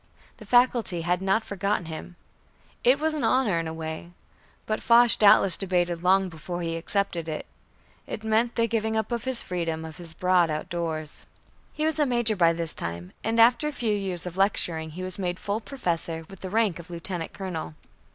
The faculty had not forgotten him. It was an honor in a way, but Foch doubtless debated long before he accepted it. It meant the giving up of the freedom of his broad outdoors. He was a major by this time; and after a few years of lecturing, he was made full professor, with the rank of Lieutenant Colonel.